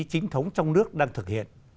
chính thống trong nước đang thực hiện